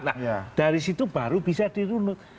nah dari situ baru bisa dirunut